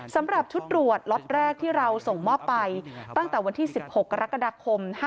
สำหรับชุดตรวจล็อตแรกที่เราส่งมอบไปตั้งแต่วันที่๑๖กรกฎาคม๕๗